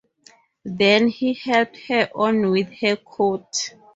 Then he helped her on with her coat.